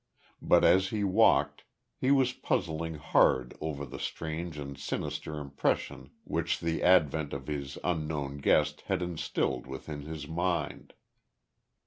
But as he walked, he was puzzling hard over the strange and sinister impression which the advent of his unknown guest had instilled within his mind.